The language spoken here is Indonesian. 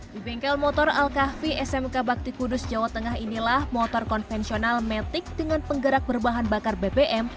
di bengkel motor al kahvi smk bakti kudus jawa tengah inilah motor konvensional metik dengan penggerak berbahan bakar bbm